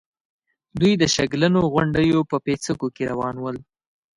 دوی د شګلنو غونډېو په پيڅکو کې روان ول.